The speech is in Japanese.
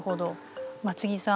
松木さん